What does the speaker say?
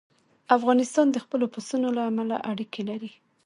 افغانستان د خپلو پسونو له امله اړیکې لري.